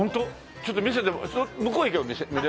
ちょっと見せて向こう行けば見れ。